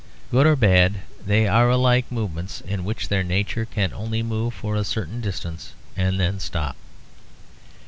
Good or bad, they are alike movements which in their nature can only move for a certain distance and then stop.